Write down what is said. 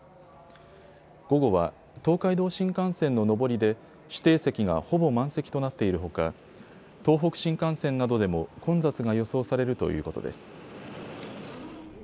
午後は、東海道新幹線の上りで指定席がほぼ満席となっているほか東北新幹線などでも混雑が予想されるということです。